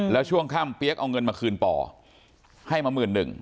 แล้วช่วงค่ำเปี๊ยกเอาเงินมาคืนป่อให้มาหมื่นหนึ่ง